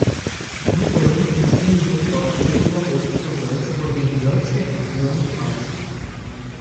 Мы положительно оцениваем тот факт, что этот вопрос обсуждается в Организации Объединенных Наций.